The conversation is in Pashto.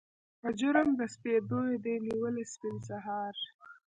په جرم د سپېدو یې دي نیولي سپین سهار